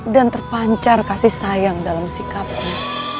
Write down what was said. dan terpancar kasih sayang dalam sikapmu